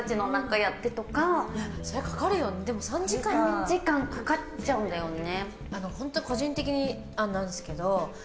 ３時間かかっちゃうんだよね。